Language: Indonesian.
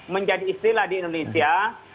menjadi istilah di indonesia